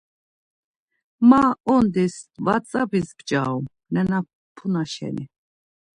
Ma, ondis, whatsap̌is p̌ç̌arum, nenapuna şeni.